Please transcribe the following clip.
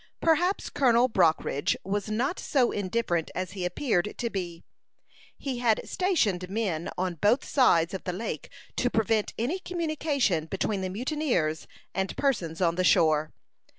Perhaps Colonel Brockridge was not so indifferent as he appeared to be. He had stationed men on both sides of the lake to prevent any communication between the mutineers and persons on the shore.